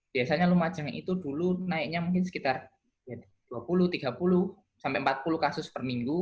biasanya lumajang itu dulu naiknya mungkin sekitar dua puluh tiga puluh sampai empat puluh kasus per minggu